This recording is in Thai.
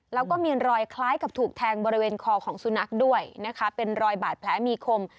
แล้วก็มีรอยคล้ายกับถูกแทงบริเวณคอของสุนัขด้วยนะคะเป็นรอยบาดแผลมีคม